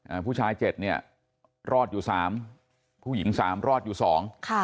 อ่าผู้ชายเจ็ดเนี่ยรอดอยู่สามผู้หญิงสามรอดอยู่สองค่ะ